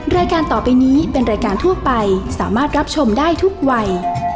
รายการต่อไปนี้เป็นรายการทั่วไปสามารถรับชมได้ทุกวัย